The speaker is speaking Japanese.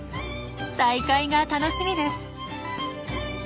再会が楽しみです。